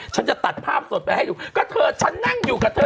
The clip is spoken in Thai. จะตัดภาพสดไปให้ดูก็เธอฉันนั่งอยู่กับเธอ